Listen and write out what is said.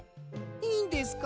いいんですか？